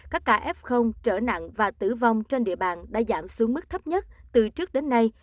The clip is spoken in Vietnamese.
các ca f trở nặng và tử vong trên địa bàn đã giảm xuống mức thấp nhất từ trước đến nay